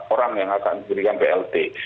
orang yang akan diberikan plt